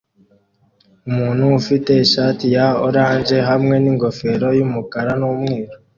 Umuntu ufite ishati ya orange hamwe n'ingofero y'umukara n'umweru